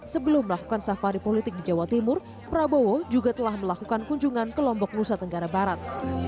sebelum melakukan safari politik di jawa timur prabowo juga telah melakukan kunjungan ke lombok nusa tenggara barat